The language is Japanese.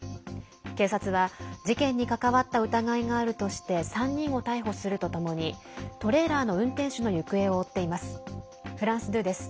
警察は事件に関わった疑いがあるとして３人を逮捕するとともにトレーラーの運転手の行方を追っています。